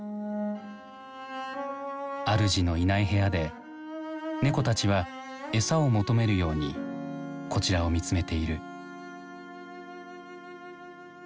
主のいない部屋で猫たちは餌を求めるようにこちらを見つめている。